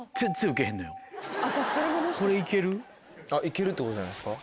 行けるってことじゃないですか？